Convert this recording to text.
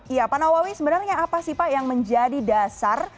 iya pak nawawi sebenarnya apa sih pak yang menjadi dasar